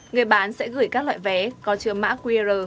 người bán sẽ gửi các loại vé có chứa mã qr